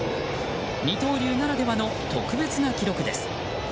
二刀流ならではの特別な記録です。